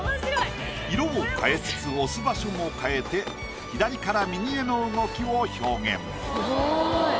色を変えつつ押す場所も変えて左から右への動きを表現。